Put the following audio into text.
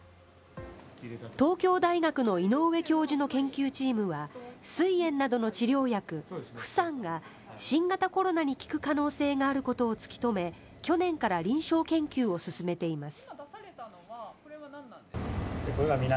東京大学の井上教授の研究チームはすい炎などの治療薬、フサンが新型コロナに効く可能性があることを突き止め去年から臨床研究を進めています。